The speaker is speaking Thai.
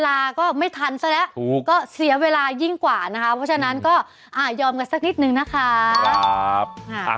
ลาก็ไม่ทันซะแล้วก็เสียเวลายิ่งกว่านะคะเพราะฉะนั้นก็ยอมกันสักนิดนึงนะคะ